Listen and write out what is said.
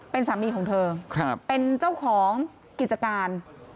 เป็นสามีของเธอเป็นเจ้าของกิจการ